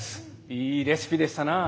いいレシピでしたな。